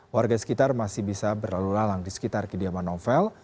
warga sekitar masih bisa berlalu lalang di sekitar kediaman novel